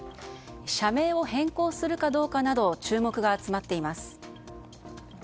社名を変更するかどうか注目が集まっています。